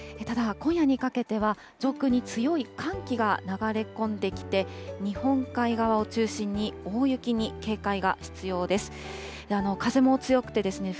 ただ、今夜にかけては、上空に強い寒気が流れ込んできて、日本海側を中心に大雪に警戒が必要です。